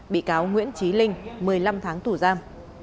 bị cáo nguyễn trí linh một mươi năm tháng tù giam